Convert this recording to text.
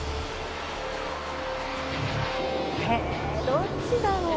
どっちだろう？